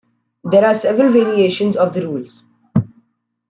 There are several variations of the rules.